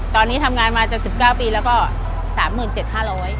ตอนนี้ทำงานมา๗๙ปีแล้วก็๓๗๕๐๐บาท